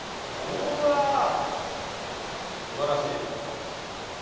うわ素晴らしい。